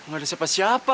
gak ada siapa siapa